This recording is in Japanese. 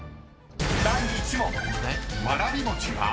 ［第１問］